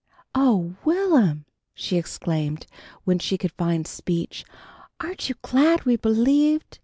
"Oh, Will'm!" she exclaimed, when she could find speech, "aren't you glad we bleeved?"